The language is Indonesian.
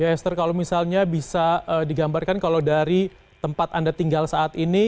ya esther kalau misalnya bisa digambarkan kalau dari tempat anda tinggal saat ini